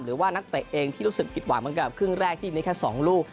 หรือว่านักเตะเองที่รู้สึกผิดหวังเหมือนกับครึ่งแรกที่มีแค่๒ลูก